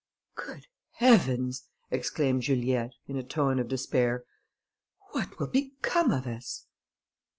"Good heavens," exclaimed Juliette, in a tone of despair, "what will become of us?"